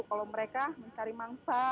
kalau mereka mencari mangsa